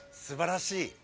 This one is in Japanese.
すばらしい。